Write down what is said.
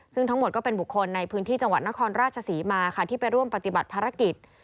ซึ่งทั้งหมดก็เป็นบุคคลในพื้นที่จังหวัดนครราชศรีมาค่ะที่ไปร่วมปฏิบัติภารกิจ